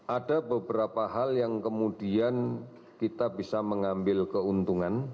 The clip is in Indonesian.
ada beberapa hal yang kemudian kita bisa mengambil keuntungan